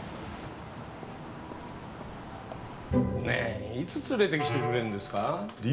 ねえいつ連れてきてくれるんですか？